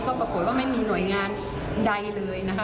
ก็ปรากฏว่าไม่มีหน่วยงานใดเลยนะคะ